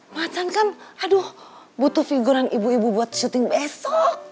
macan kan aduh butuh figuran ibu ibu buat syuting besok